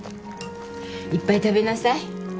いっぱい食べなさい。